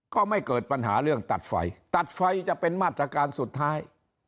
ก็ไม่เกิดปัญหาเรื่องตัดไฟตัดไฟจะเป็นมาตรการสุดท้าย